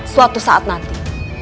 suatu saat nanti